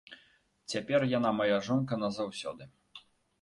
Цяпер яна мая жонка назаўсёды.